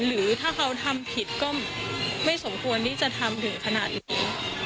หรือถ้าเขาทำผิดก็ไม่สมควรที่จะทำถึงขนาดนี้